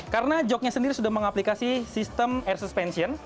karena joknya sendiri sudah mengaplikasi sistem air suspension